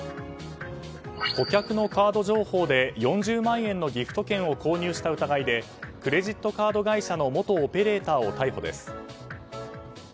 顧客のカード情報で４０万円のギフト券を購入した疑いでクレジットカード会社の元オペレーターを逮捕です。